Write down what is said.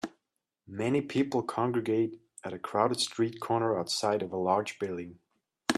Many people congregate at a crowded street corner outside of a large building.